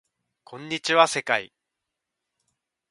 こんにちは世界